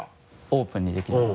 オープンにできるの？